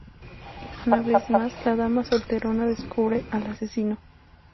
Y una vez más la dama solterona descubre al asesino.